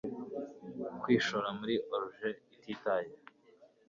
kwishora muri orgee ititaye